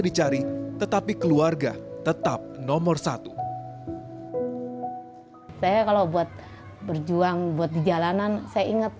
dicari tetapi keluarga tetap nomor satu saya kalau buat berjuang buat di jalanan saya ingat